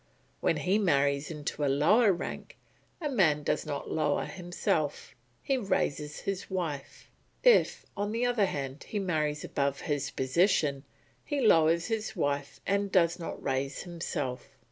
When he marries into a lower rank, a man does not lower himself, he raises his wife; if, on the other hand, he marries above his position, he lowers his wife and does not raise himself.